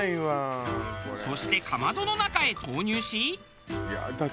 そしてかまどの中へ投入し。